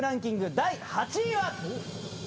第８位は。